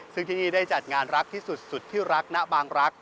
ซึ่งที่นี่ได้จัดงานรักที่สุดสุดที่รักณบางรัก